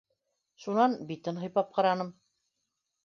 Шунан битен һыйпап ҡараным.